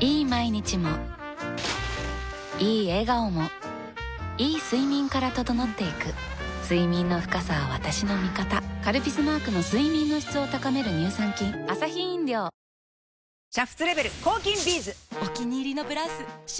いい毎日もいい笑顔もいい睡眠から整っていく睡眠の深さは私の味方「カルピス」マークの睡眠の質を高める乳酸菌「タコハイ」まだ飲んでないよーって人？